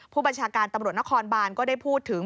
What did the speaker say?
ผู้บัญชาการตำรวจนครบานก็ได้พูดถึง